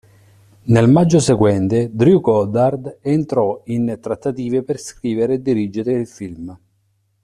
Nel maggio seguente Drew Goddard entrò in trattative per scrivere e dirigere il film.